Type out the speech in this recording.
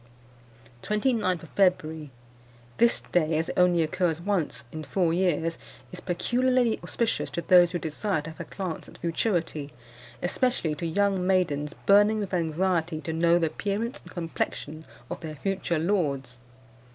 "Twenty ninth of February. This day, as it only occurs once in four years, is peculiarly auspicious to those who desire to have a glance at futurity, especially to young maidens burning with anxiety to know the appearance and complexion of their future lords.